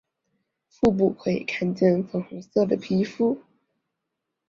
腹部可以看见粉红色的皮肤。